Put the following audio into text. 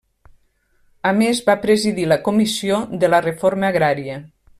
A més va presidir la Comissió de la Reforma Agrària.